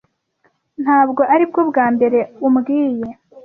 Ntabwo aribwo bwa mbere umbwiye.